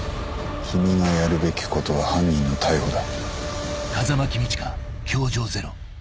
「君がやるべきことは犯人の逮捕だ」